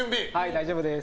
大丈夫です。